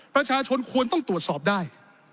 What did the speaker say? ประชาชนควรต้องตรวจสอบได้